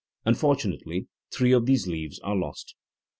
Unfortunately three of these leaves are lost.